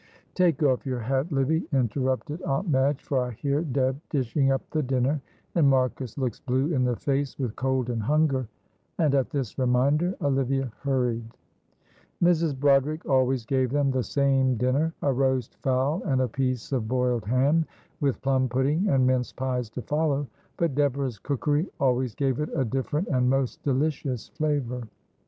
"Take off your hat, Livy," interrupted Aunt Madge, "for I hear Deb dishing up the dinner, and Marcus looks blue in the face with cold and hunger." And at this reminder Olivia hurried. Mrs. Broderick always gave them the same dinner, a roast fowl and a piece of boiled ham, with plum pudding and mince pies to follow, but Deborah's cookery always gave it a different and most delicious flavour.